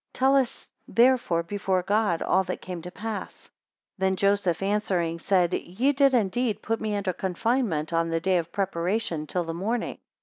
Tell us therefore before God, all that came to pass. 19 Then Joseph answering, said Ye did indeed put me under confinement, on the day of preparation, till the morning.